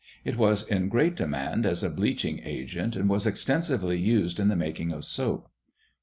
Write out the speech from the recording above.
It was in great demand as a bleaching agent and was extensively used in the making of soap.